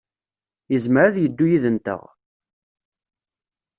Yezmer ad yeddu yid-nteɣ.